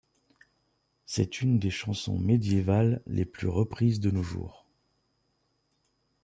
C'est une des chansons médiévales les plus reprises de nos jours.